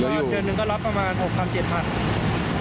อีกเดือนหนึ่งก็รับประมาณ๖๐๐๗๐๐บาท